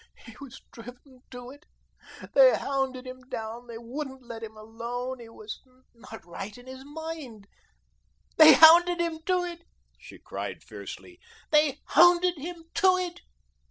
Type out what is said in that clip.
He was driven to it. They hounded him down, they wouldn't let him alone. He was not right in his mind. They hounded him to it," she cried fiercely, "they hounded him to it.